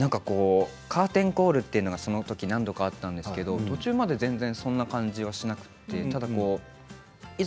カーテンコールがそのとき何度かあったんですけれども途中までは全然そんな感じはなくていざ